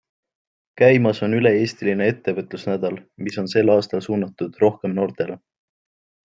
Käimas on üle-eestiline ettevõtlusnädal, mis on sel aastal suunatud rohkem noortele.